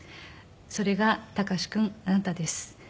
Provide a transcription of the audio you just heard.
「それが貴君あなたです」